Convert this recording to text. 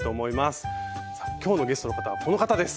さあ今日のゲストの方はこの方です。